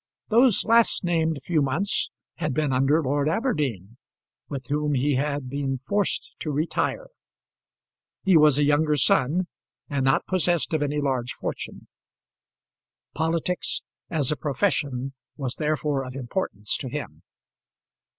Those last named few months had been under Lord Aberdeen, with whom he had been forced to retire. He was a younger son, and not possessed of any large fortune. Politics as a profession was therefore of importance to him.